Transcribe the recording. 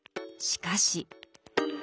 しかし。